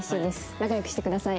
仲良くしてください。